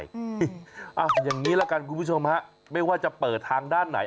อย่างนี้ละกันคุณผู้ชมฮะไม่ว่าจะเปิดทางด้านไหน